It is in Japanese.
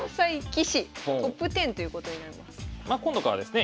ま今度からですね